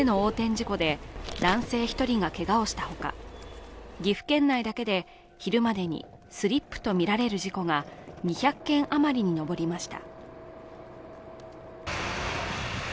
事故で男性１人がけがをしたほか岐阜県内だけで昼までにスリップとみられる事故が２００件余りに上りました。